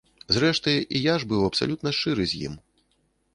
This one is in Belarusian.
Зрэшты, і я ж быў абсалютна шчыры з ім.